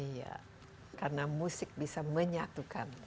iya karena musik bisa menyatukan